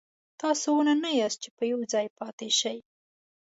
تاسو ونه نه یاست چې په یو ځای پاتې شئ.